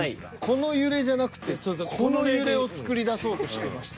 この揺れじゃなくてこの揺れを作り出そうとしてました。